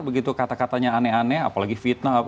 begitu kata katanya aneh aneh apalagi fitnah